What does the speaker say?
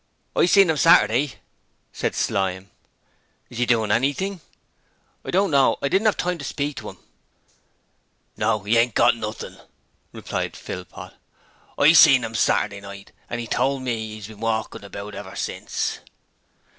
'I seen 'im Saterdy,' said Slyme. 'Is 'e doin' anything?' 'I don't know: I didn't 'ave time to speak to 'im.' 'No, 'e ain't got nothing,' remarked Philpot. 'I seen 'im Saterdy night, an' 'e told me 'e's been walkin' about ever since.'